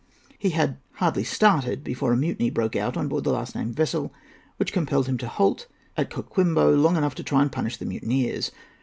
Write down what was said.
He had hardly started before a mutiny broke out on board the last named vessel, which compelled him to halt at Coquimbo long enough to try and punish the mutineers.